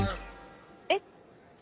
えっ？